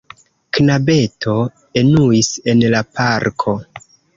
Knabeto enuis en la parko.